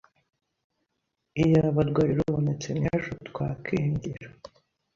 Iyaba rwari rubonetse, n’ejo twakingira.